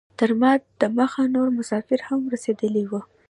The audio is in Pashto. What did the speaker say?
تر ما دمخه نور مسافر هم رسیدلي وو.